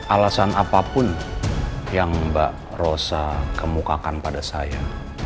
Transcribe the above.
alasan apapun yang mbak rosa kemukakan pada saya